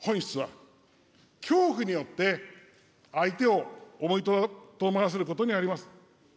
しかし、抑止の本質は、恐怖によって相手を思いとどまらせることにあります。